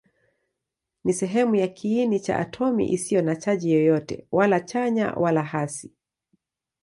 Ni sehemu ya kiini cha atomi isiyo na chaji yoyote, wala chanya wala hasi.